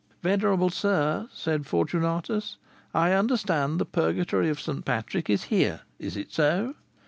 "Venerable sir!" said Fortunatus, "I understand the Purgatory of St. Patrick is here: is it so?"